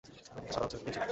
মানে, দিনটা সাধারণ দিন ছিল।